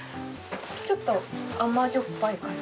ちょっと甘じょっぱい感じ。